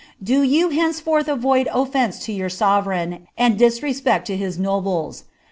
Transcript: Do you henceforth avoid offence to your sovereign, and disrespect to his nobles.